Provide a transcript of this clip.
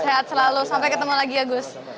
sehat selalu sampai ketemu lagi ya gus